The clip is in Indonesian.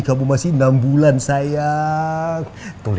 kamu sudah together